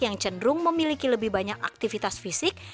yang cenderung memiliki lebih banyak aktivitas fisik